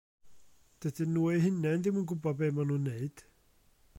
Dydyn nhw eu hunain ddim yn gwybod be maen nhw'n neud.